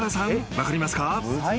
分かりますか？］